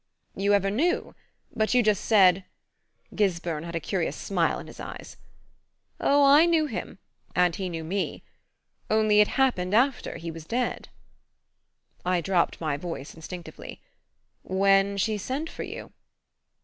"You ever knew? But you just said " Gisburn had a curious smile in his eyes. "Oh, I knew him, and he knew me only it happened after he was dead." I dropped my voice instinctively. "When she sent for you?"